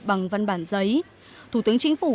bằng văn bản giấy thủ tướng chính phủ